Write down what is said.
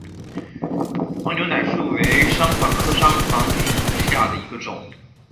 黄牛奶树为山矾科山矾属下的一个种。